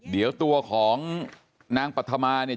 เดี๋ยวตัวของนางปัธมาเนี่ย